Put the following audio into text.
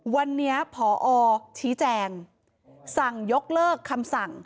วันนี้พอชี้แจงสั่งยกเลิกคำสั่ง